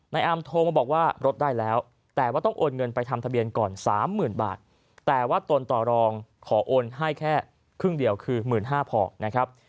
อาร์มโทรมาบอกว่ารถได้แล้วแต่ว่าต้องโอนเงินไปทำทะเบียนก่อน๓๐๐๐บาทแต่ว่าตนต่อรองขอโอนให้แค่ครึ่งเดียวคือ๑๕๐๐พอนะครับ